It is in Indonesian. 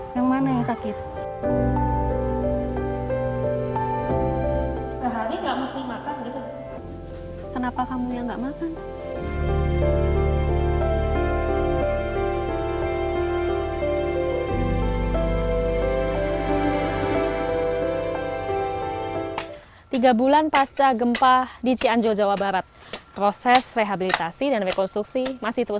danai mana yang rasakan sakit nih